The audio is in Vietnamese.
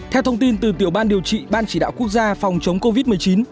theo thông tin từ tiểu ban điều trị ban chỉ đạo quốc gia phòng chống covid một mươi chín